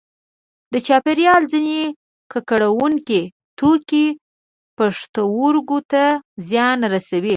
د چاپیریال ځینې ککړوونکي توکي پښتورګو ته زیان رسوي.